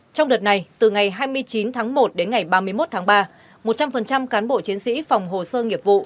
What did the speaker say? trong đợt này từ ngày hai mươi chín tháng một đến ngày ba mươi một tháng ba một trăm linh cán bộ chiến sĩ phòng hồ sơ nghiệp vụ